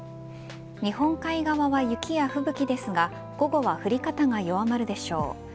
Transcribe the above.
日本海側は雪や吹雪ですが午後は降り方が弱まるでしょう。